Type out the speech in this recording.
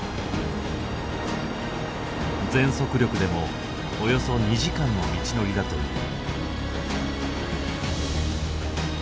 全速力でもおよそ２時間の道のりだという。